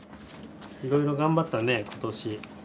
いろいろ頑張ったね今年。